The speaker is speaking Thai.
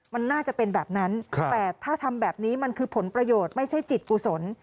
มันน่าจะเป็นแบบนั้นแต่ถ้าทำแบบนี้มันคือผลประโยชน์ไม่ใช่จิตกุศล